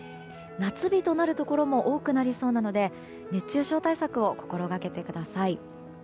夏日となるところも多くなりそうなので熱中症対策を心がけてください。